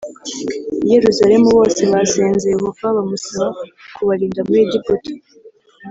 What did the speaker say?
i Yerusalemu bose basenze Yehova bamusaba kubarinda muri Egiputa